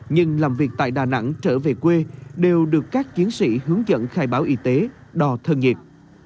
nhưng làm việc tại đà nẵng trở về quê đều được các chiến sĩ hướng dẫn khai báo y tế đò thân nhiệt